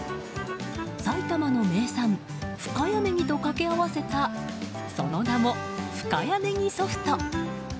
埼玉の名産深谷ねぎと掛け合わせたその名も深谷ネギソフト。